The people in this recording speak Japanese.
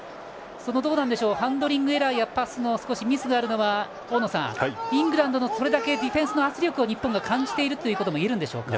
どうでしょうハンドリングエラーやパスのミスがあるのは大野さん、イングランドのそれだけディフェンスの圧力を日本が感じているということもいえるんでしょうか。